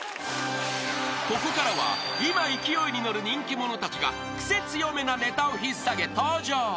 ［ここからは今勢いに乗る人気者たちがクセ強めなネタを引っ提げ登場］